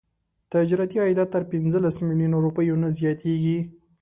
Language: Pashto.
تجارتي عایدات تر پنځلس میلیونه روپیو نه زیاتیږي.